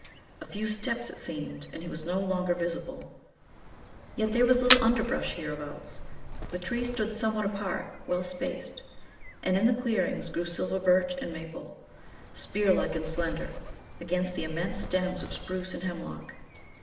A few steps, it seemed, and he was no longer visible. Yet there was little underbrush hereabouts; the trees stood somewhat apart, well spaced; and in the clearings grew silver birch and maple, spearlike and slender, against the immense stems of spruce and hemlock.